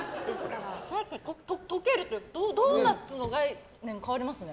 とけるというかドーナツの概念が変わりますね。